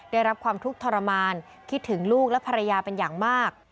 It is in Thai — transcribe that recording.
ได้รับความทุกข์ทรมานคิดถึงลูกและภรรยาเป็นอย่างมาก